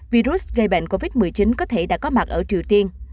virus gây bệnh covid một mươi chín có thể đã có mặt ở triều tiên